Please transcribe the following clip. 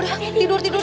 udah tidur tidur